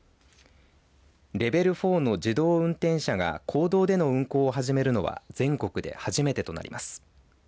レベル４の自動運転車が公道での運行を始めるのは全国で初めてとなります。